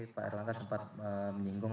pak erlangga sempat menyinggung